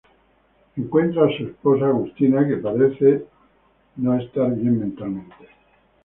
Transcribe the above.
El encuentra a sus esposa Agustina, que parece de no estar bien mentalmente.